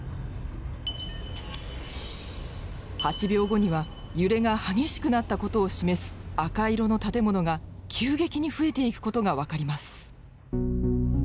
８秒後には揺れが激しくなったことを示す赤色の建物が急激に増えていくことが分かります。